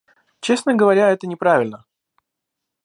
Честно говоря, это неправильно.